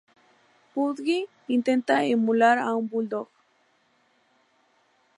Pudgy intenta emular a un bulldog.